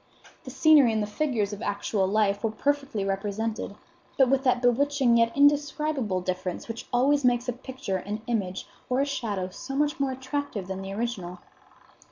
The scenery and the figures of actual life were perfectly represented, but with that bewitching, yet indescribable difference which always makes a picture, an image, or a shadow so much more attractive than the original.